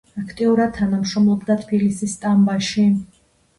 აქტიურად თანამშრომლობდა თბილისის სტამბაში.